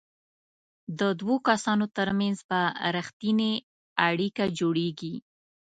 د دوو کسانو ترمنځ به ریښتینې اړیکه جوړیږي.